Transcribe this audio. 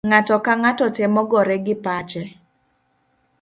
Ng'ato kang'ato temo gore gi pache.